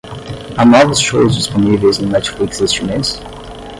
Há novos shows disponíveis no Netflix este mês?